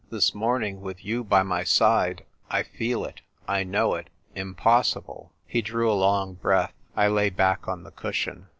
This morning, with you by my side, I feel it, I know it, im possible." He drew a long breath. I lay back on the cushion.